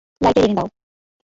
Lighter এনে দাও।